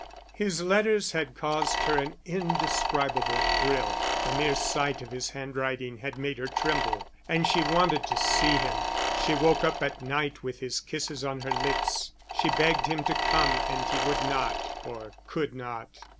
His letters had caused her an indescribable thrill, the mere sight of his handwriting had made her tremble, and she wanted to see him; she woke up at night with his kisses on her lips. She begged him to come, and he would not or could not.